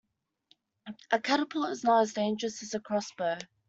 A catapult is not as dangerous as a crossbow